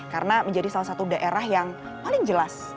karena menjadi salah satu daerah yang paling jelas